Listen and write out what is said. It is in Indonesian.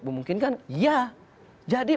memungkinkan ya jadi